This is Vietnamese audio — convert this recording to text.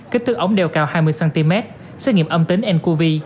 kích thước ống đeo cao hai mươi cm xét nghiệm âm tính nqv